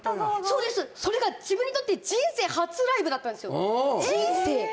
そうですそれが自分にとって人生初ライブだったんですよ